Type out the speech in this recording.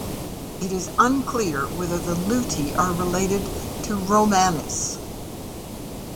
It is unclear whether the Luti are related to Romanis.